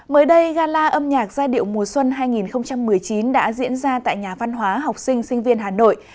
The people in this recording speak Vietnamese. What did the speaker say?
mới đây gala âm nhạc giai điệu mùa xuân hai nghìn một mươi chín đã diễn ra tại nhà văn hóa học sinh sinh viên hà nội